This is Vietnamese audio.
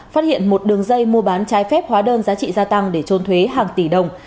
phát hiện một đường dây mua bán trái phép hóa đơn giá trị gia tăng để trôn thuế hàng tỷ đồng